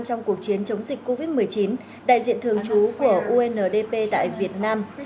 trong cuộc chiến chống dịch covid một mươi chín đại diện thường trú của undp tại việt nam